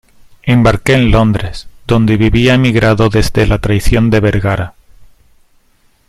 embarqué en Londres, donde vivía emigrado desde la traición de Vergara ,